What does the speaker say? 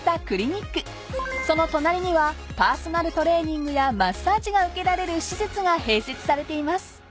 ［その隣にはパーソナルトレーニングやマッサージが受けられる施設が併設されています］